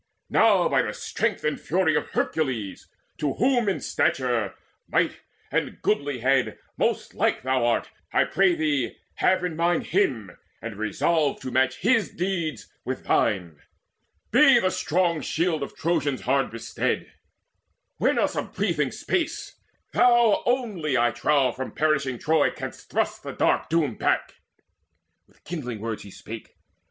Now, by the strength and fury of Hercules To whom in stature, might, and goodlihead Most like thou art I pray thee, have in mind Him, and resolve to match his deeds with thine. Be the strong shield of Trojans hard bestead: Win us a breathing space. Thou only, I trow, From perishing Troy canst thrust the dark doom back." With kindling words he spake.